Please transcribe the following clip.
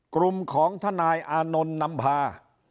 กลุ่มของทนายอานนท์นำพา